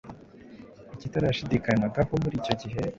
Ikitarashidikanywagaho muri icyo gihe